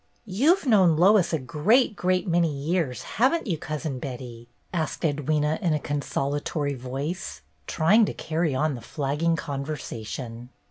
"You 've known Lois a great, great many years, have n't you. Cousin Betty ?" asked Edwyna, in a consolatory voice, trying to carry on the flagging conversation.